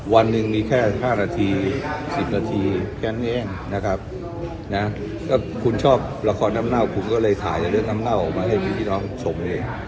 วันหนึ่งมีแค่๕นาที๑๐นาทีแค่นั้นเองนะครับนะก็คุณชอบละครน้ำเน่าคุณก็เลยถ่ายในเรื่องน้ำเน่าออกมาให้พี่น้องชมเอง